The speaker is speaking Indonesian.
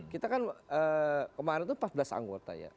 kita kan kemarin itu empat belas anggota ya